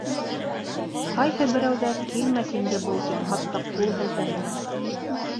Ҡайһы берәүҙәр килмәҫ инде был тип, хатта ҡул һелтәнеләр.